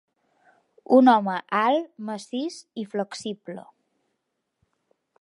Un home alt, massís i flexible.